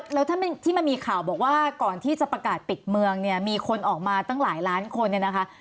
แล้วถ้าที่มันมีข่าวบอกว่าก่อนที่จะประกาศปิดเมืองเนี่ยมีคนออกมาตั้งหลายล้านคนเนี่ยนะคะ